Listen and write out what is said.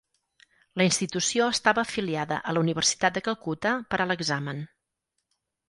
La institució estava afiliada a la Universitat de Calcuta per a l'examen.